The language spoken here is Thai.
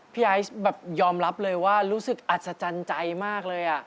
ไอซ์แบบยอมรับเลยว่ารู้สึกอัศจรรย์ใจมากเลย